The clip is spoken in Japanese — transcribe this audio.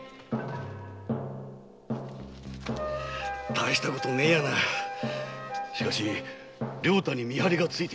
大したことねえやなだが良太に見張りがついていたとは。